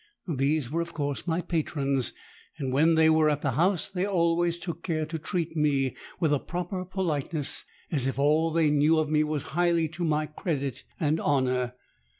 These were of course my patrons; and when they were at the house they always took care to treat me with a proper politeness, as if all they knew of me was highly to my credit and honour.